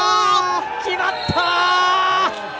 決まった！